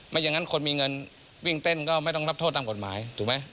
อย่างนั้นคนมีเงินวิ่งเต้นก็ไม่ต้องรับโทษตามกฎหมายถูกไหม